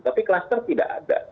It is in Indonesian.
tapi kluster tidak ada